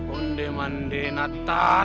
undi mandi nathan